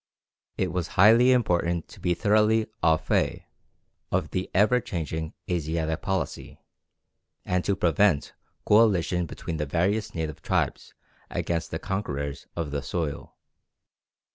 It was highly important to be thoroughly au fait of the ever changing Asiatic policy, and to prevent coalition between the various native tribes against the conquerors of the soil.